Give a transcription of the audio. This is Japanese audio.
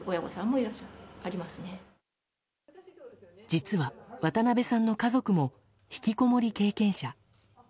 実は、渡辺さんの家族もひきこもり経験者。